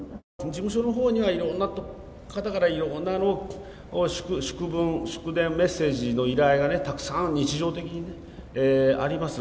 事務所のほうには、いろんな方からいろんな祝文、祝電メッセージの依頼がね、たくさん、日常的にあります。